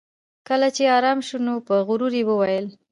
کله چې ارام شو نو په غرور یې وویل